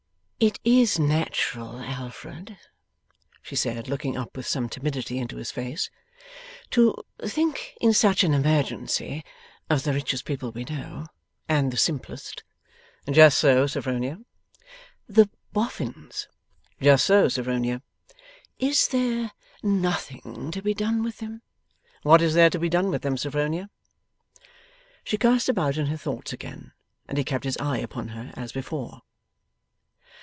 'It is natural, Alfred,' she said, looking up with some timidity into his face, 'to think in such an emergency of the richest people we know, and the simplest.' 'Just so, Sophronia.' 'The Boffins.' 'Just so, Sophronia.' 'Is there nothing to be done with them?' 'What is there to be done with them, Sophronia?' She cast about in her thoughts again, and he kept his eye upon her as before.